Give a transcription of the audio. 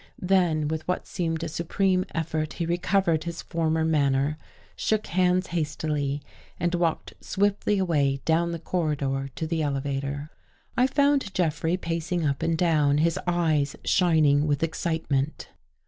Then, with what seemed a supreme effort, he re covered his former manner, shook hands hastily and walked swiftly away down the corridor to the elevator. I found Jeffrey pacing up and down, his eyes shining with excitement.